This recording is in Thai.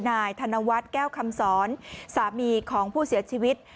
นายธนวัฒน์แก้วคำสอนสามีของผู้เสียชีวิต